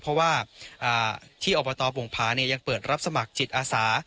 เพราะว่าที่อบตโป่งผายังเปิดรับสมัครจิตอาสา